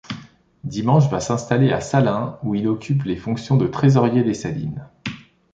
Dimanche va s'installer à Salins où il occupe les fonctions de trésoriers des salines.